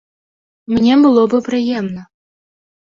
Мне было бы прыемна.